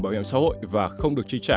bảo hiểm xã hội và không được chi trả